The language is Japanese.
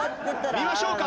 見ましょうか。